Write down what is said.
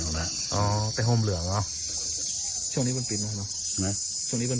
ไงช่วงนี้เป็นปิดเหรอ